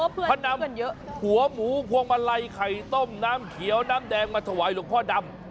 เพื่อนำหัวหมูพวงมาลัยไข่ต้มน้ำเขียวน้ำแดงมาถวายหลวงพ่อดำ